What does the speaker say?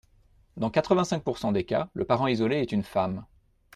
Dans quatre-vingt-cinq pourcent des cas, le parent isolé est une femme.